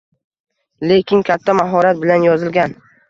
Lekin katta mahorat bilan yozilgan